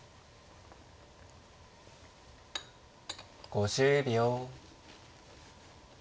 ５０秒。